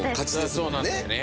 そうなんだよね